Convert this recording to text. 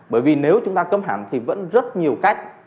bởi vì nếu chúng ta cấm hẳn thì vẫn rất nhiều cách